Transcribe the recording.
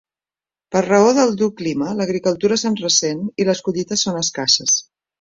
Per raó del dur clima l'agricultura se'n ressent i les collites són escasses.